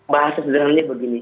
bahasa sederhana ini begini